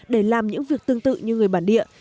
để làm những việc tương tự như người bản địa